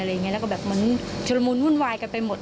แล้วก็แบบเหมือนชุดละมุนวุ่นวายกันไปหมด